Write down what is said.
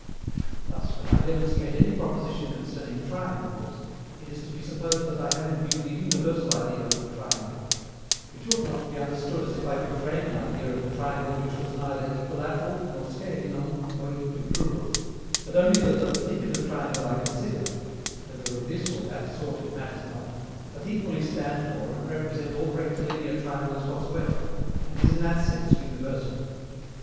Thus, when I demonstrate any proposition concerning triangles, it is to be supposed that I have in view the universal idea of a triangle; which ought not to be understood as if I could frame an idea of a triangle which was neither equilateral, nor scalenon, nor equicrural; but only that the particular triangle I consider, whether of this or that sort it matters not, doth equally stand for and represent all rectilinear triangles whatsoever, and is in that sense UNIVERSAL.